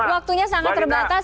waktunya sangat terbatas